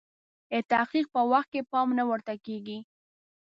د تحقیق په وخت کې پام نه ورته کیږي.